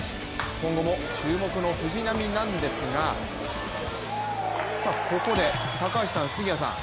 今後も注目の藤浪なんですがここで高橋さん、杉谷さん